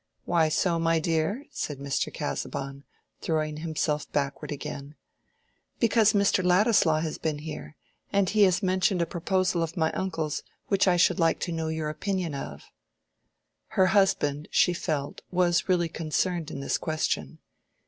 "Why so, my dear?" said Mr. Casaubon, throwing himself backward again. "Because Mr. Ladislaw has been here; and he has mentioned a proposal of my uncle's which I should like to know your opinion of." Her husband she felt was really concerned in this question.